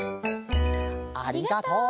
ありがとう！